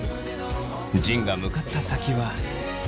仁が向かった先は。